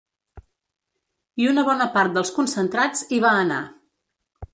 I una bona part dels concentrats hi va anar.